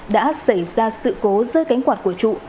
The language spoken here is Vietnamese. đã xảy ra sự cố rơi cánh quạt của trụ